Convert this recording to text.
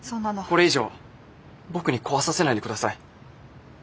これ以上僕に壊させないでください。